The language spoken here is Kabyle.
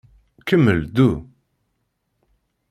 Kemmel ddu.